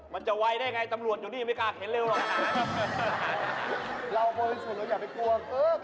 มันจะไวได้อย่างไรตำรวจอยู่นี่ไม่กล้าเข็นเร็วหรอก